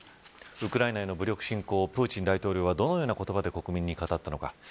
ウクライナへの武力侵攻をプーチン大統領はどのような言葉で国民に語ったのか。